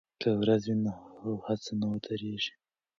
که ورځ وي نو هڅه نه ودریږي.